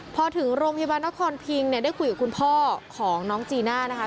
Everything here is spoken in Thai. พอถึงโรงพยาบาลนครพิงเนี่ยได้คุยกับคุณพ่อของน้องจีน่านะคะ